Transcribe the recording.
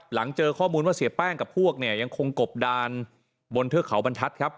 หลังเจอข้อมูลว่าเสียแป้งกับพวกเนี่ยยังคงกบดานบนเทือกเขาบรรทัศน์ครับ